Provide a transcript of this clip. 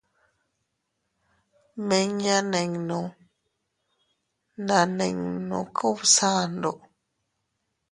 Miña ninnu na nino Kubsandu.